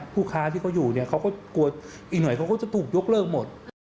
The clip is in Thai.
ผู้ค้าที่เขาอยู่เนี่ยเขาก็กลัวอีกหน่อยเขาก็จะถูกยกเลิกหมด